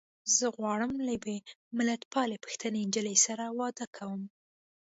زه غواړم له يوې ملتپالې پښتنې نجيلۍ سره واده کوم.